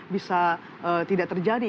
bisa tidak terjadi